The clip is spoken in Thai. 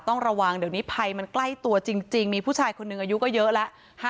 ต้องระวังเดี๋ยวนี้ภัยมันใกล้ตัวจริงมีผู้ชายคนหนึ่งอายุก็เยอะแล้ว